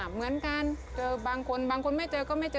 เหมือนกันเจอบางคนบางคนไม่เจอก็ไม่เจอ